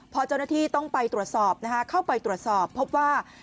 พอเจ้าหน้าที่ต้องไปตรวจสอบนะคะเข้าไปตรวจสอบพบว่า